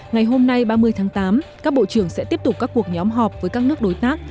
ngày hôm nay ba mươi tháng tám các bộ trưởng sẽ tiếp tục các cuộc nhóm họp với các nước đối tác